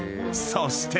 ［そして］